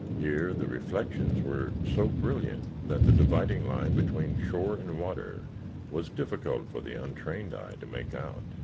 Here the reflections were so brilliant that the dividing line between shore and water was difficult for the untrained eye to make out.